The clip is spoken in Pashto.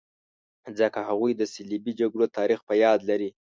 ځکه هغوی د صلیبي جګړو تاریخ په یاد لري.